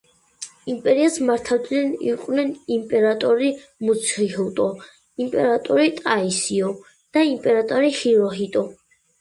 იმპერიას მართავდნენ იყვნენ იმპერატორი მუცუჰიტო, იმპერატორი ტაისიო და იმპერატორი ჰიროჰიტო.